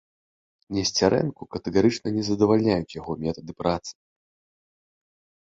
Несцярэнку катэгарычна не задавальняюць яго метады працы.